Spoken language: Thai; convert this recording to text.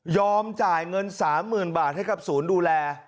จ่ายเงิน๓๐๐๐บาทให้กับศูนย์ดูแล